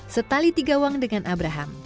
setali tiga uang dengan abraham